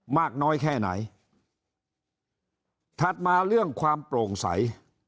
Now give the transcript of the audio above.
มากน้อยแค่ไหนถัดมาเรื่องความโปร่งใส